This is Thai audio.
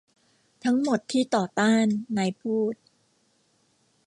ทั้งหมดที่ต่อต้าน นายพูด